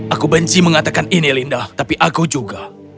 aku benci mengatakan ini linda tapi aku juga